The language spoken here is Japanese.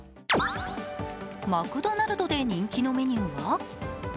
マクドナルドで人気のメニューは？